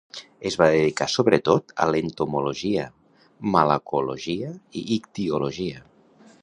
Es va dedicar sobretot a l'entomologia, malacologia i ictiologia.